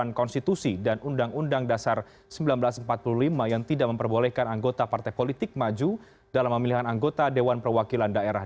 peraturan konstitusi dan undang undang dasar seribu sembilan ratus empat puluh lima yang tidak memperbolehkan anggota partai politik maju dalam pemilihan anggota dewan perwakilan daerah